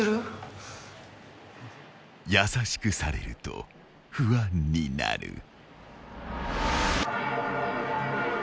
［優しくされると不安になる］